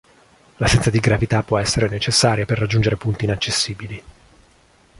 L'assenza di gravità può essere necessaria per raggiungere punti inaccessibili.